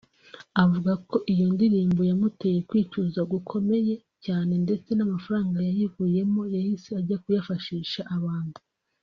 avugako iyo ndirimbo yamuteye kwicuza gukomeye cyane ndetse namafaranga yayivuyemo yahise ajya kuyafashisha abantu